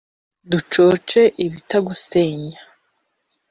Ducoce ibitagusenya